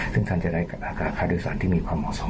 ซึ่งท่านจะได้ค่าโดยสารที่มีความเหมาะสม